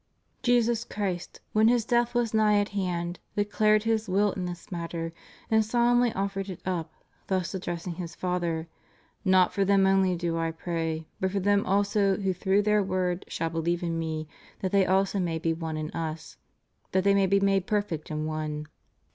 ^ Jesus Christ, when His death was nigh at hand, declared His will in this matter, and solemnly offered it up, thus ad dressing His Father: Not for them only do I pray, hut for them also who through their word shall believe in Me ... that they also may be one in Us .., that they may be made perfect in one?